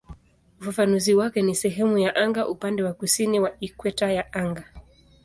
Ufafanuzi wake ni "sehemu ya anga upande wa kusini wa ikweta ya anga".